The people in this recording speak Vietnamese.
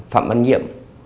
phạm văn nhiệm